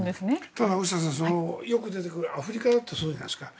ただ、大下さんよく出てくるアフリカだってそうじゃないですか。